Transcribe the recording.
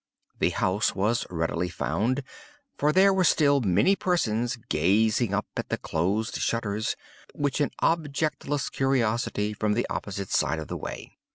The house was readily found; for there were still many persons gazing up at the closed shutters, with an objectless curiosity, from the opposite side of the way.